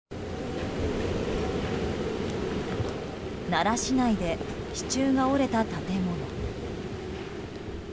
奈良市内で支柱が折れた建物。